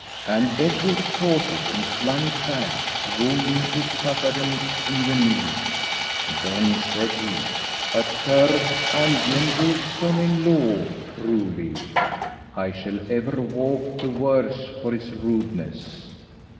And Bedwyr caught it and flung it back, wounding Yspathaden in the knee. Then said he, "A cursed ungentle son in law, truly. I shall ever walk the worse for his rudeness.